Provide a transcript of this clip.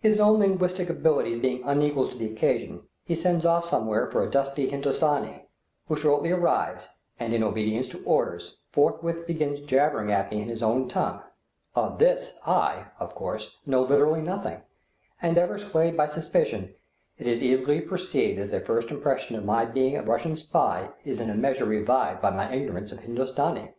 His own linguistic abilities being unequal to the occasion, he sends off somewhere for a dusky Hindostani, who shortly arrives and, in obedience to orders, forthwith begins jabbering at me in his own tongue. Of this I, of course, know literally nothing, and, ever swayed by suspicion, it is easily perceivable that their first impression of my being a Russian spy is in a measure revived by my ignorance of Hindostani.